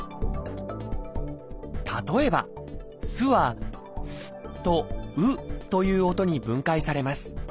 例えば「す」は「Ｓ」と「Ｕ」という音に分解されます。